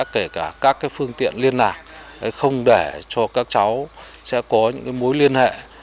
kể cả các phương tiện liên lạc không để cho các cháu sẽ có những mối liên hệ